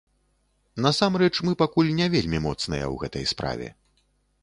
Насамрэч, мы пакуль не вельмі моцныя ў гэтай справе.